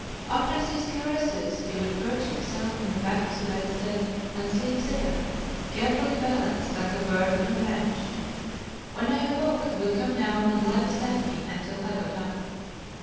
After these caresses he would perch himself on the back of the bedstead and sleep there, carefully balanced, like a bird on a branch. When I awoke, he would come down and lie beside me until I got up.